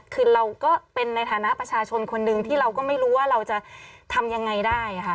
คือเราก็เป็นในฐานะประชาชนคนหนึ่งที่เราก็ไม่รู้ว่าเราจะทำยังไงได้ค่ะ